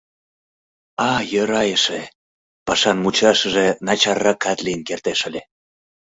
А йӧра эше, пашан мучашыже начарракат лийын кертеш ыле.